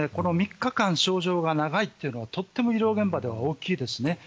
３日間症状が長いというのはとっても医療現場では大きいですね。